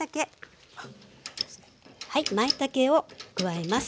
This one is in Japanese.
まいたけを加えます。